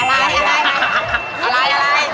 อะไร